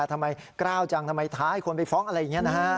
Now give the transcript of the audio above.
ทำไมกล้าวจังทำไมท้าให้คนไปฟ้องอะไรอย่างนี้นะฮะ